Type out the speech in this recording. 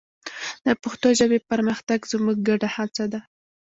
د پښتو ژبې پرمختګ زموږ ګډه هڅه ده.